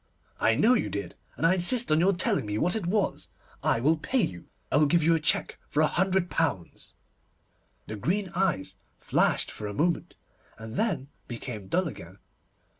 'I know you did, and I insist on your telling me what it was. I will pay you. I will give you a cheque for a hundred pounds.' The green eyes flashed for a moment, and then became dull again.